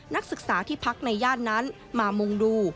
นักศึกษาที่พักในย่านนั้นมามุ่งดู